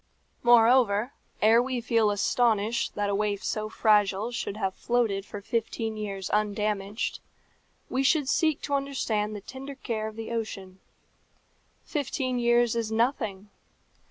Moreover, ere we feel astonished that a waif so fragile should have floated for fifteen years undamaged, we should seek to understand the tender care of the ocean. Fifteen years is nothing.